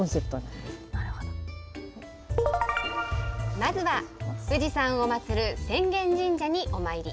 まずは富士山を祭る浅間神社にお参り。